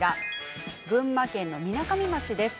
群馬県のみなかみ町です。